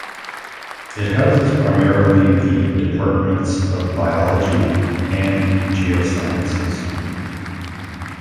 It houses primarily the departments of biology and geosciences.